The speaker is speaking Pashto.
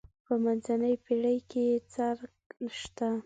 په منځنۍ پېړۍ کې یې څرک شته.